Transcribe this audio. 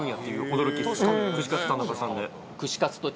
驚き串カツ田中さんで。